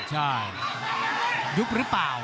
ใช่ยุบรึเปล่า